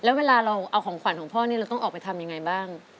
แล้วเวลาเราเอาของขวัญของพ่อนี่เราต้องออกไปทำยังไงบ้าง